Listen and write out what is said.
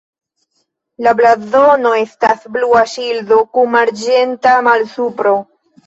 La blazono estas blua ŝildo kun arĝenta malsupro.